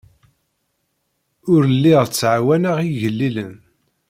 Ur lliɣ ttɛawaneɣ igellilen.